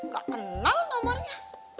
gak kenal nomornya